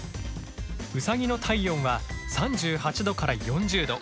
ウサギの体温は３８度から４０度。